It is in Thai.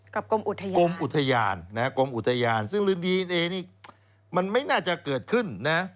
กับกรมอุทยานซึ่งดีเอ็นเอนี้มันไม่น่าจะเกิดขึ้นนะ